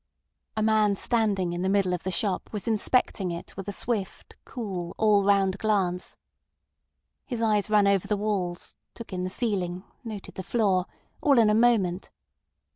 A man standing in the middle of the shop was inspecting it with a swift, cool, all round glance. His eyes ran over the walls, took in the ceiling, noted the floor—all in a moment.